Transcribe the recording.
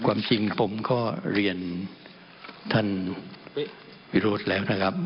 ความจริงผมก็เรียนท่านวิโรธแล้วนะครับ